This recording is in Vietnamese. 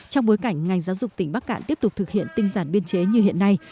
trong bối cảnh ngành giáo dục tỉnh bắc cạn tiếp tục thực hiện tinh giản biên chế như hiện nay